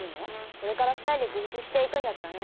これから２人で自立していくんだからね！